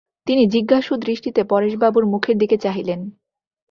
তিনি জিজ্ঞাসু দৃষ্টিতে পরেশবাবুর মুখের দিকে চাহিলেন।